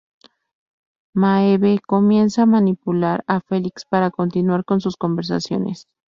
Maeve comienza a manipular a Felix para continuar con sus conversaciones.